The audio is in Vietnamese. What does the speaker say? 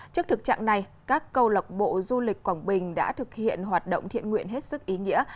trước thực trạng này các câu lọc bộ du lịch quảng bình đã thực hiện hoạt động thiện nguyện hết sức ý nghĩa